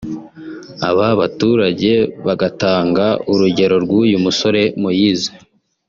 Aba baturage bagatanga urugero rw’uyu musore Moise